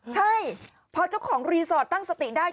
ใช่พอเจ้าของรีสอร์ทตั้งสติได้